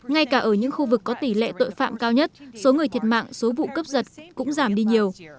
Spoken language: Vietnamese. ngay cả ở những khu vực có tỷ lệ tội phạm cao nhất số người thiệt mạng số vụ cướp giật cũng giảm đi nhiều